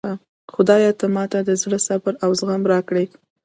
خدایه ته ماته د زړه صبر او زغم راکړي